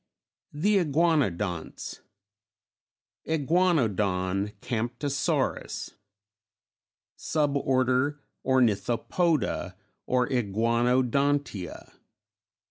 THE IGUANODONTS: IGUANODON, CAMPTOSAURUS. _Sub Order Ornithopoda or Iguanodontia.